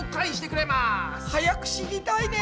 早く知りたいね。